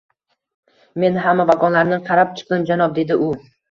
Men hamma vagonlarni qarab chiqdim, janob, – dedi u.